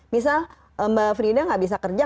misal mbak frida nggak bisa kerja